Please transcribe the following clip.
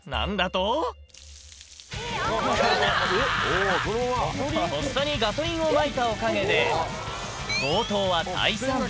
とっさにガソリンをまいたおかげで、強盗は退散。